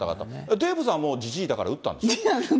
デーブさん、もうじじいだから、打ったんでしょ？